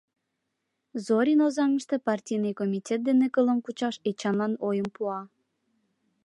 Зорин Озаҥыште партийный комитет дене кылым кучаш Эчанлан ойым пуа.